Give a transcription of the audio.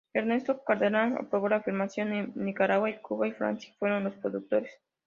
Ernesto Cardenal aprobó la filmación en Nicaragua, y Cuba y Francia fueron los productores.